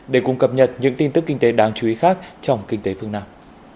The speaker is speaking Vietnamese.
để cùng cập nhật những tin tức kinh tế đáng chú ý khác trong kinh tế phương nam